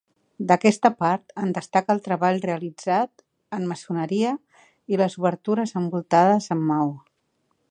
D'aquesta part en destaca el treball realitzat en maçoneria i les obertures envoltades amb maó.